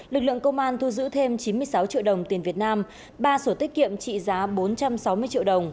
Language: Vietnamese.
lực lượng công an thu giữ thêm chín mươi sáu triệu đồng tiền việt nam ba sổ tiết kiệm trị giá bốn trăm sáu mươi triệu đồng